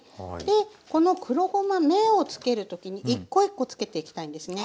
この黒ごま目をつける時に１コ１コつけていきたいんですね。